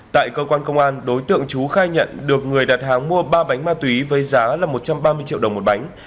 tại cơ quan công an đối tượng chú khai nhận được người đặt hàng mua ba bánh ma túy với giá là một trăm ba mươi triệu đồng một bánh